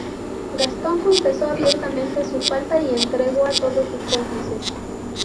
Gastón confesó abiertamente su falta y entregó a todos sus cómplices.